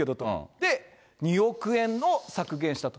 で、２億円の削減したと。